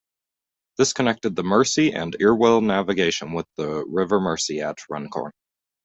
This connected the Mersey and Irwell Navigation with the River Mersey at Runcorn.